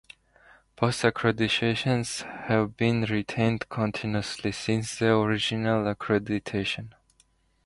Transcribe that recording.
Both accreditations have been retained continuously since the original accreditation.